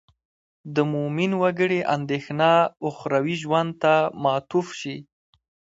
د مومن وګړي اندېښنه اخروي ژوند ته معطوف شي.